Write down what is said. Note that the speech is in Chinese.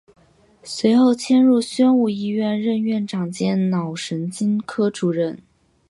随后迁入宣武医院任院长兼脑神经科主任。